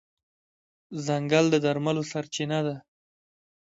ځنګل د درملو سرچینه ده.